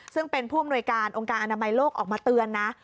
ซึ่งเป็นผู้อำนวยการองค์การอนามัยโลกออกมาเตือนนะ